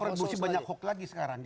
revolusi banyak hoax lagi sekarang